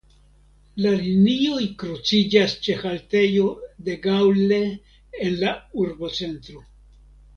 La linioj kruciĝas ĉe haltejo "De Gaulle" en la urbocentro.